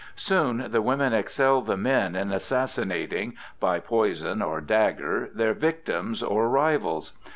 Soon the women excelled the men in assassinating, by poison or dagger, their victims or rivals.